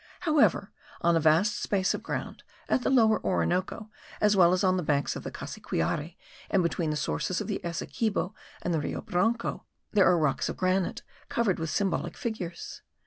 However, on a vast space of ground, at the Lower Orinoco, as well as on the banks of the Cassiquiare and between the sources of the Essequibo and the Rio Branco, there are rocks of granite covered with symbolic figures.